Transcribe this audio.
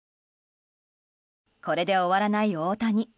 これで終わらない大谷。